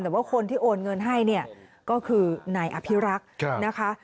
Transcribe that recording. แต่ว่าคนที่โอนเงินให้เนี่ยก็คือนายอภิรักษ์นะคะ